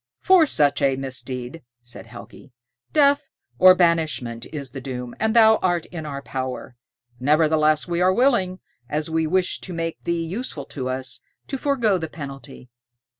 "For such a misdeed," said Helgi, "death or banishment is the doom, and thou art in our power. Nevertheless, we are willing, as we wish to make thee useful to us, to forego the penalty.